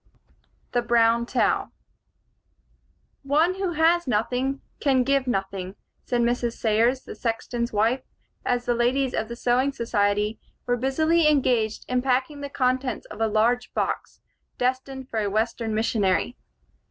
THE BROWN TOWEL "One who has nothing can give nothing," said Mrs. Sayers, the sexton's wife, as the ladies of the sewing society were busily engaged in packing the contents of a large box, destined for a Western missionary.